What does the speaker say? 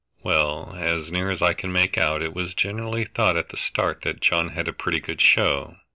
"Well, as near as I can make out it was generally thought at the start that John had a pretty good show.